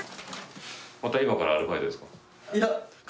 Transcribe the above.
また今からアルバイトですか？